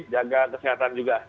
jaga kesehatan juga